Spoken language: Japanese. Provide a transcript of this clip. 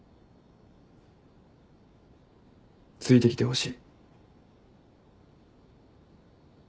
ついてきてほしい。